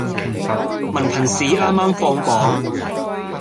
文憑試啱啱放榜